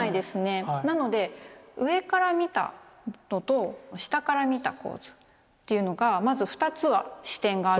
なので上から見たのと下から見た構図というのがまず２つは視点があるんですが。